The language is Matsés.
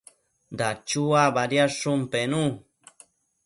Dachua badiadshun pennu